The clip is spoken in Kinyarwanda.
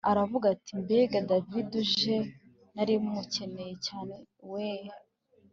aravuga ati mbega david uje narimukeneye cyane we